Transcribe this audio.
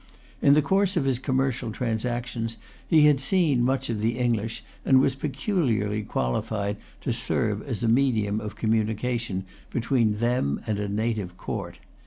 In the course of his commercial transactions, he had seen much of the English, and was peculiarly qualified to serve as a medium of communication between them and a native court.